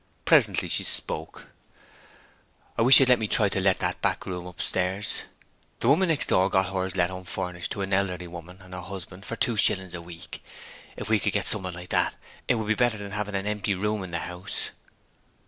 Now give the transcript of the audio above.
Presently she spoke: 'I wish you'd let me try to let that back room upstairs: the woman next door has got hers let unfurnished to an elderly woman and her husband for two shillings a week. If we could get someone like that it would be better than having an empty room in the house.'